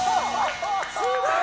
すごーい！